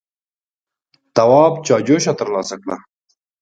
تواب چايجوشه تر لاسه کړه.